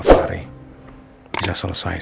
saya sudah dikandung dengan habit